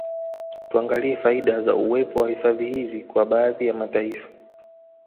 Tuangalie faida za uwepo wa hifadhi hizi kwa baadhi ya mataifa